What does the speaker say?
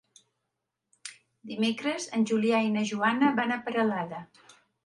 Dimecres en Julià i na Joana van a Peralada.